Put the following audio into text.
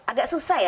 agak susah ya